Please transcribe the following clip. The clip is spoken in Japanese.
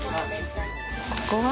ここは？